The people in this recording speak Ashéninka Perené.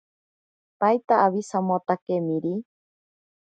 Paita awisamotakemiri.